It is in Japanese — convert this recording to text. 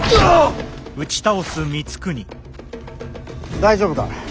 大丈夫か？